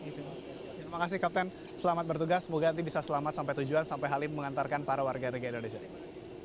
terima kasih kapten selamat bertugas semoga nanti bisa selamat sampai tujuan sampai halim mengantarkan para warga negara indonesia ini